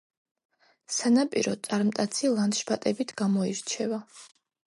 სანაპირო წარმტაცი ლანდშაფტებით გამოირჩევა.